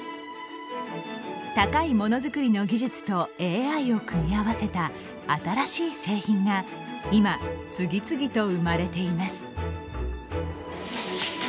高いものづくりの技術とＡＩを組み合わせた新しい製品が今、次々と生まれています。